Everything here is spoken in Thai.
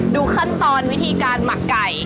ดูขั้นตอนวิธีการหมักไก่